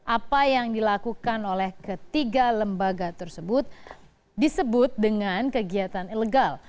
apa yang dilakukan oleh ketiga lembaga tersebut disebut dengan kegiatan ilegal